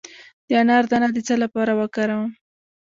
د انار دانه د څه لپاره وکاروم؟